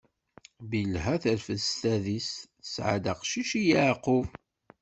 Bilha terfed s tadist, tesɛa-d aqcic i Yeɛqub.